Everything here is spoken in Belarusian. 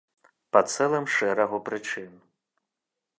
Па цэлым шэрагу прычын.